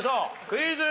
クイズ。